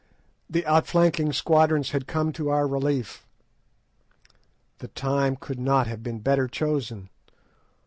The outflanking squadrons had come to our relief. The time could not have been better chosen.